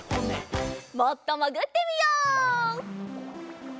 もっともぐってみよう。